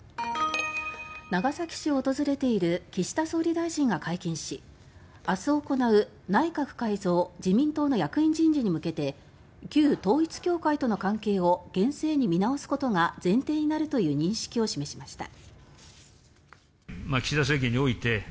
長崎市を訪れている岸田総理大臣が会見し明日行う、内閣改造自民党の役員人事に向けて旧統一教会との関係を厳正に見直すことが前提になるという認識を示しました。